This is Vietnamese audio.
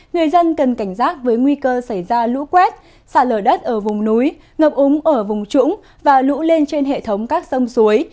người dân cần cảnh giác với nguy cơ xảy ra lũ quét xả lở đất ở vùng núi ngập úng ở vùng trũng và lũ lên trên hệ thống các sông suối